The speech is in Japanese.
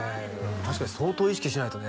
確かに相当意識しないとね